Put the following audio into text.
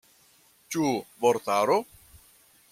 Ĉu vortaro?